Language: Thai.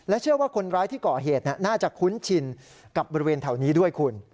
เชื่อว่าคนร้ายที่ก่อเหตุน่าจะคุ้นชินกับบริเวณแถวนี้ด้วยคุณ